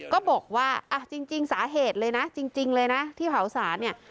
ก็บอกว่าจริงสาเหตุเลยนะจริงเลยนะที่เผาสารเนี่ย